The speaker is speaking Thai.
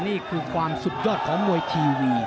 นี่คือความสุดยอดของมวยทีวี